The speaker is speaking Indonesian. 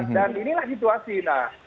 dan inilah situasi nah